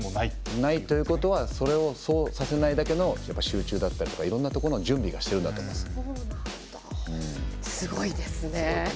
ないということはそれをそうさせないだけの手中だったりとかいろんなところの準備をすごいですね。